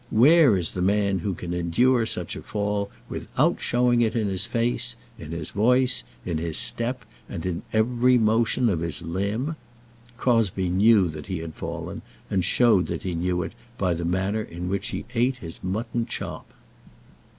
Where is the man who can endure such a fall without showing it in his face, in his voice, in his step, and in every motion of every limb? Crosbie knew that he had fallen, and showed that he knew it by the manner in which he ate his mutton chop.